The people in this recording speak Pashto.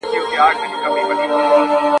محتسب مو پر منبر باندي امام سو !.